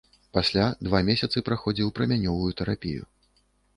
Пасля два месяцы праходзіў прамянёвую тэрапію.